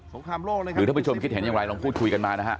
หรือท่านผู้ชมคิดเห็นอย่างไรลองพูดคุยกันมานะฮะ